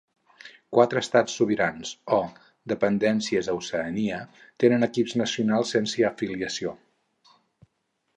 Quatre estats sobirans o dependències a Oceania tenen equips nacionals sense afiliació.